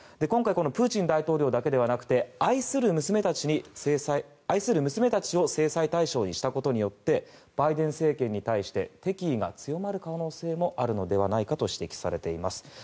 今回、このプーチン大統領だけではなくて愛する娘たちを制裁対象にしたことによってバイデン政権に対して敵意が強まる可能性もあるのではないかと指摘されています。